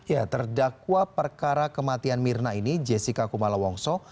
ya terdakwa perkara kematian mirna ini jessica kumala wongso